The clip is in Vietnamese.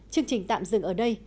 chương trình tạm dừng ở đây